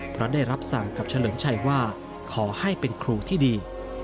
เพราะได้รับสั่งกับเฉลิมชัยว่าขอให้เป็นครูที่ดี